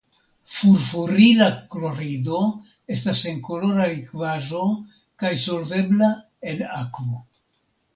Furfurila klorido estas senkolora likvaĵo kaj solvebla en akvo.